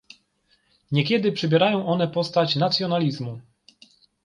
Niekiedy przybierają one postać nacjonalizmu